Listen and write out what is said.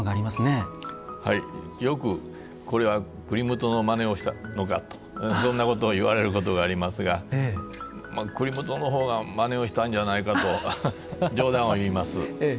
よくこれはクリムトのマネをしたのかといろんなことを言われることがありますがクリムトの方がマネをしたんじゃないかと冗談を言います。